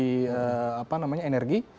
konsumsi apa namanya energi